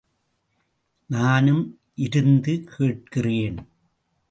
நானும் இருந்து கேட்கிறேன்.